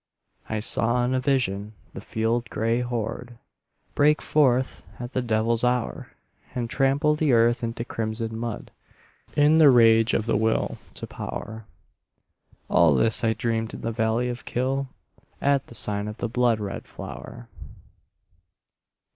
I saw in a vision the field gray horde Break forth at the devil's hour, And trample the earth into crimson mud In the rage of the Will to Power, All this I dreamed in the valley of Kyll, At the sign of the blood red flower.